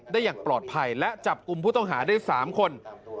อย่างปลอดภัยและจับกลุ่มผู้ต้องหาได้๓คน